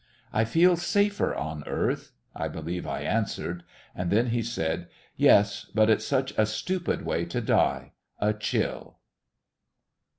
"I feel safer on earth," I believe I answered. And then he said: "Yes, but it's such a stupid way to die a chill!"